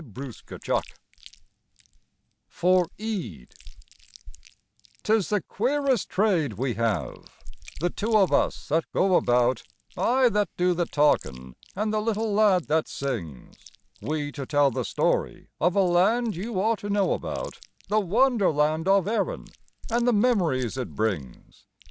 TWO SEANICHIES (For Aedh) 'Tis the queerest trade we have, the two of us that go about, I that do the talkin', and the little lad that sings, We to tell the story of a Land you ought to know about, The wonder land of Erin and the memories it brings.